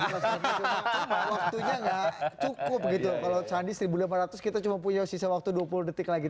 waktunya nggak cukup gitu kalau sandi seribu lima ratus kita cuma punya sisa waktu dua puluh detik lagi